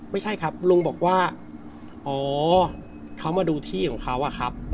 ไม่ใช่ครับลุงบอกว่าอ๋อเขามาดูที่ของเขาอะครับ